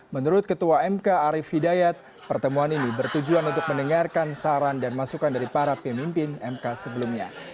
menurut ketua mk arief hidayat pertemuan ini bertujuan untuk mendengarkan saran dan masukan dari para pemimpin mk sebelumnya